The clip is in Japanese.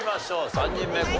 ３人目昴